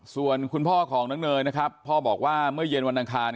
ส่วนคุณพ่อของน้องเนยนะครับพ่อบอกว่าเมื่อเย็นวันอังคาร